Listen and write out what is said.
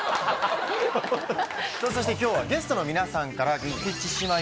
そして今日はゲストの皆さんから。